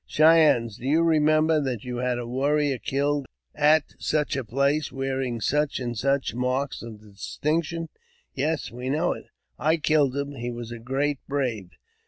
" Cheyennes, do you remember that you had a warrior killed at such a place, wearing such and such marks of distinction ?"*' Yes, we know it." *' I killed him ; he was a great brave."